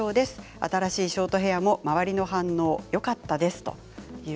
新しいショートヘアも周りの反応がよかったです。